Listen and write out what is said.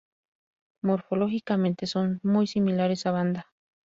Morfológicamente son muy similares a "Vanda.